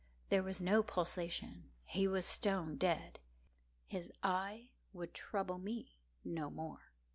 There was no pulsation. He was stone dead. His eye would trouble me no more.